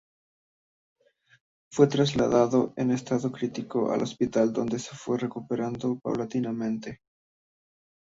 Fue trasladado en estado crítico al hospital, donde se fue recuperando paulatinamente.